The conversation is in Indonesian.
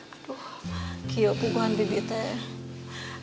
aduh kia pungguan bibitnya